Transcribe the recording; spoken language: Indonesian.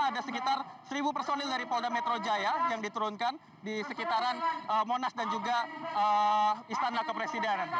ada sekitar seribu personil dari polda metro jaya yang diturunkan di sekitaran monas dan juga istana kepresidenan